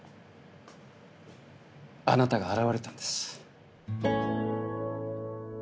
あなたが現れたんです。